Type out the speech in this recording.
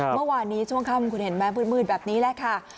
เมื่อวานนี้ช่วงค่ำคุณเห็นไหมมืดแบบนี้แหละค่ะ